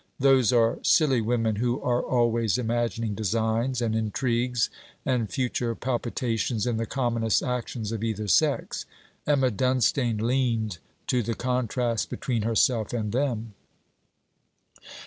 Those are silly women who are always imagining designs and intrigues and future palpitations in the commonest actions of either sex. Emma Dunstane leaned to the contrast between herself and them.